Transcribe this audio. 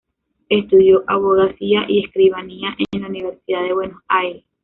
Estudió abogacía y escribanía en la Universidad de Buenos Aires.